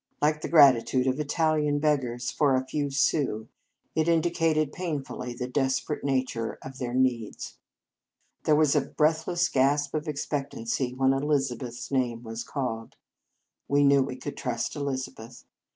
Like the gratitude of Italian beggars for a few sous, it indicated painfully the desperate nature of their needs. There was a breathless gasp of ex pectancy when Elizabeth s name was called. We knew we could trust Eliz abeth.